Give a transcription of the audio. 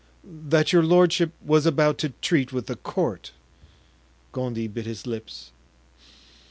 "That your lordship was about to treat with the court." Gondy bit his lips.